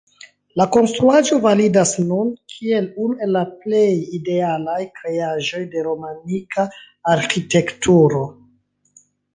La konstruaĵo validas nun kiel unu el la plej idealaj kreaĵoj de romanika arĥitekturo.